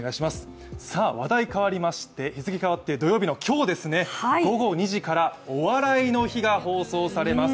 話題変わりまして、日付変わって土曜日の今日ですね、午後２時から「お笑いの日」が放送されます。